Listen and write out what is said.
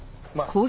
まあ。